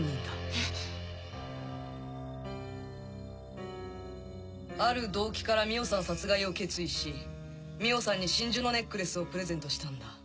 えっ⁉ある動機から美緒さん殺害を決意し美緒さんに真珠のネックレスをプレゼントしたんだ。